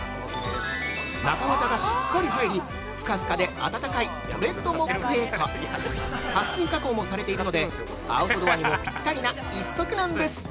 ◆中綿がしっかり入り、ふかふかで暖かい、トレッドモックＥＣＯはっ水加工もされているのでアウトドアにもぴったりな一足なんです。